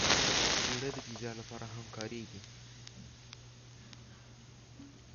اوړه د پیزا لپاره هم کارېږي